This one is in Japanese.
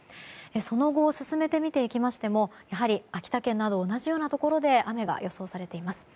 その後、進めて見ていきましてもやはり秋田県など同じようなところで雨が予想されています。